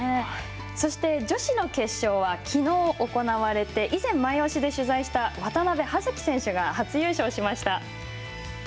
そして女子の決勝は、きのう行われて、以前マイオシで取材した渡部葉月選手が初優勝しました。